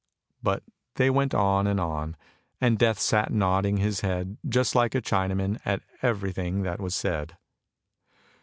But they went on and on, and Death sat nodding his head, just like a Chinaman, at every thing that was said.